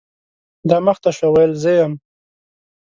دا مخ ته شوه ، ویل زه یم .